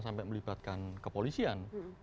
sampai melibatkan kepolisian